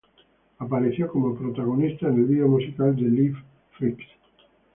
Apareció como protagonista en el video musical de Live, "Freaks".